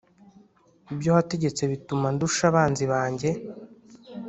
Ibyo wategetse bituma ndusha abanzi banjye